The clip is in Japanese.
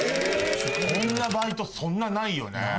こんなバイトそんなないよね？